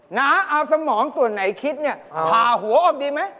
นะเอาสมองส่วนไหนคิดเนี่ยผ่าหัวออกดีไหม